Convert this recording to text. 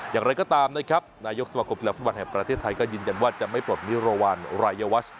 อย่างไรก็ตามนะครับนายกสมาคมกีฬาฟุตบอลแห่งประเทศไทยก็ยืนยันว่าจะไม่ปลดนิรวรรณรายวัช